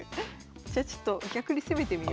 じゃあちょっと逆に攻めてみよ。